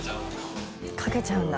丸山）かけちゃうんだ。